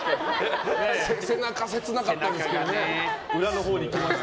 背中、切なかったですね。